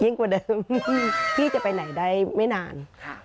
กว่าเดิมพี่จะไปไหนได้ไม่นานค่ะ